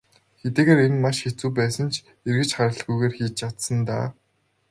Хэдийгээр энэ нь маш хэцүү байсан ч эргэж харалгүйгээр хийж чадсан даа.